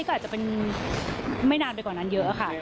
ก็อาจจะเป็นไม่นานไปกว่านั้นเยอะค่ะ